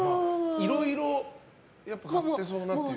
いろいろ買ってそうなっていう。